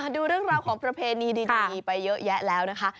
ดูเรื่องราวของประเพณีดีไปเยอะแยะแล้วนะคะ